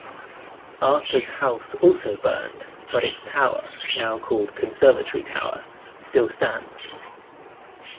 Arthur's house also burned, but its tower, now called "Conservatory Tower," still stands.